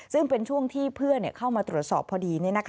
ซึ่งเป็นช่วงที่เพื่อนเข้ามาตรวจสอบพอดี